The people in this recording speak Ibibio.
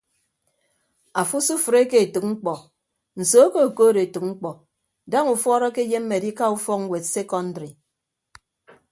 Afo usufreke etәk mkpọ nsoo ke okood etәk mkpọ daña ufuọd akeyemme adika ufọk ñwed sekọndri.